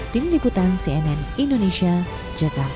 tim liputan cnn indonesia jakarta